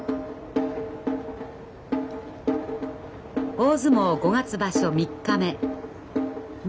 大相撲五月場所３日目前